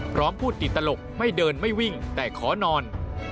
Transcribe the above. พร้อมพูดติดตลกไม่เดินไม่วิ่งแต่ขอนอน